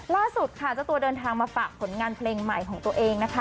ล่าสุดค่ะเจ้าตัวเดินทางมาฝากผลงานเพลงใหม่ของตัวเองนะคะ